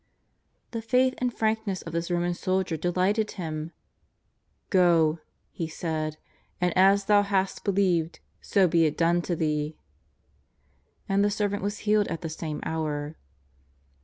The faith and frankness of this Roman soldier de lighted Ilim : I ^' Go," He said, " and as thou hast believed, so be it done to thee." And the servant was healed at the same hour.